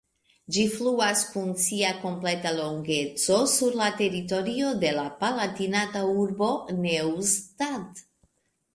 Ĝi fluas kun sia kompleta longeco sur la teritorio de la palatinata urbo Neustadt.